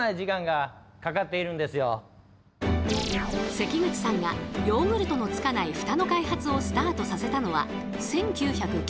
関口さんがヨーグルトのつかないフタの開発をスタートさせたのは１９９５年。